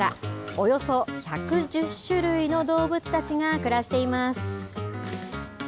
およそ１１０種類の動物たちが暮らしています。